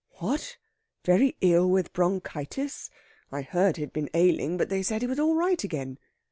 What? Very ill with bronchitis? I heard he'd been ailing, but they said he was all right again.